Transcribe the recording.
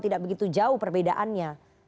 tidak begitu jauh perbedaannya